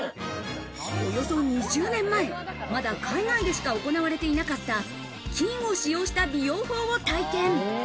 およそ２０年前、まだ海外でしか行われていなかった、金を使用した美容法を体験。